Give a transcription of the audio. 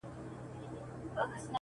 دا پېغلتوب مي په غم زوړکې!!